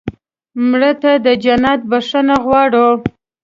مړه ته د جنت بښنه غواړو